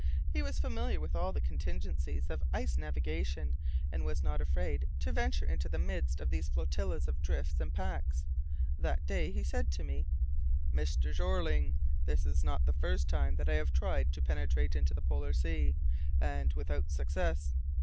He was familiar with all the contingencies of ice navigation, and was not afraid to venture into the midst of these flotillas of drifts and packs. That day he said to me, "Mr. Jeorling, this is not the first time that I have tried to penetrate into the Polar Sea, and without success.